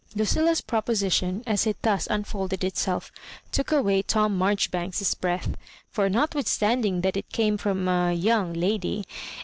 LuciUa's proposition, as it thus unfolded itself, took away Tom Marjoribanks's breatti, for notwithstanding that it came from a (young) lady, and.